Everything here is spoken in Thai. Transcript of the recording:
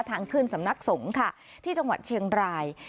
ทางเคลื่อนสำนักสมค่ะที่จังหวัดเชียงราย